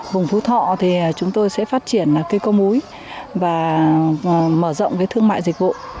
vùng phú thọ thì chúng tôi sẽ phát triển cây có múi và mở rộng thương mại dịch vụ